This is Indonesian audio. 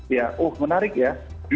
ya oh menarik ya